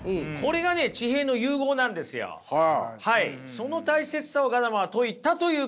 その大切さをガダマーは説いたということです。